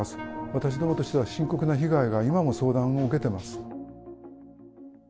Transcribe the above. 私どもとしては、深刻な被害が今も相談を受けてます。